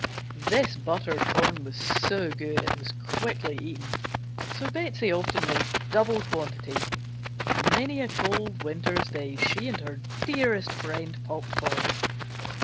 This buttered corn was so good it was quickly eaten, so Betsey often made double quantity, and many a cold winter's day she and her dearest friend popped corn.